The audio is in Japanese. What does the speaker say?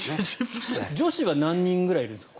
女子は何人ぐらいいるんですか